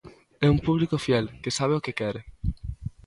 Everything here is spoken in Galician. É un público fiel, que sabe o que quere.